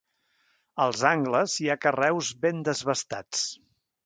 Als angles hi ha carreus ben desbastats.